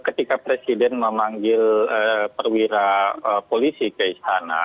ketika presiden memanggil perwira polisi ke istana